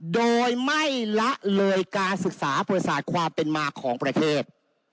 โดยไม่ละเลยการศึกษาประสาทความเป็นมาของประเทศ